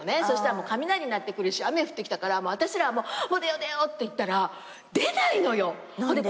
そしたら雷鳴ってくるし雨降ってきたから私らはもう出よう出ようっていったら出ないのよ。